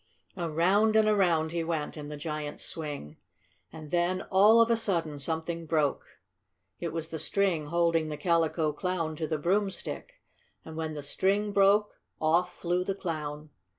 Around and around he went in the giant's swing. And then, all of a sudden, something broke. It was the string holding the Calico Clown to the broomstick. And when the string broke off flew the Clown!